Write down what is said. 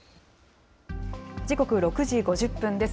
時刻、６時５０分です。